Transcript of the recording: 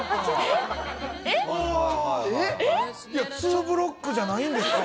ツーブロックじゃないんですか？